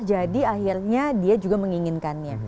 jadi akhirnya dia juga menginginkannya